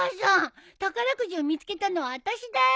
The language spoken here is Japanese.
宝くじを見つけたのはあたしだよ？